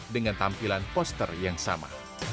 dengan tampilan poster yang sama